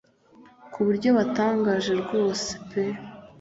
kuburyo butangaje ryose pe